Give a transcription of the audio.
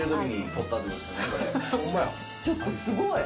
ちょっと、すごい。